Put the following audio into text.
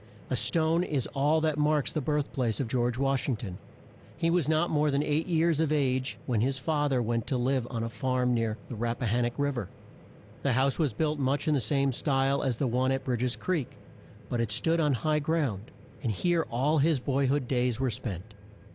A stone is all that marks the birth place of George Wash ing ton. He was not more than eight years of age when his fa ther went to live on a farm near the Rap pa han nock Riv er. The house was built much in the same style as the one at Bridg es Creek, but it stood on high ground, and here all his boy hood days were spent.